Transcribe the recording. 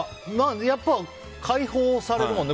やっぱ解放されるもんね。